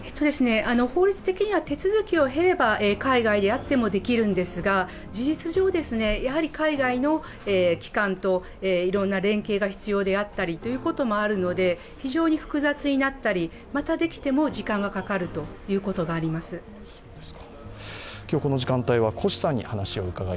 法律的には手続きを経れば海外であってもできるんですが事実上、海外の機関といろいろな連携が必要あるということもあるので非常に複雑になったり、できても時間がかかるということがあると思います。